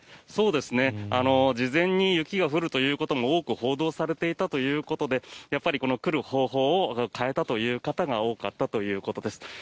事前に雪が降るということも多く報道されていたということでやっぱり、来る方法を変えたという方が多かったということです。